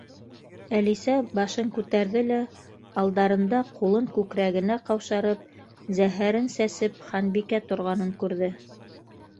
Әлисә башын күтәрҙе лә алдарында ҡулын күкрәгенә ҡаушырып, зәһәрен сәсеп Ханбикә торғанын күрҙе.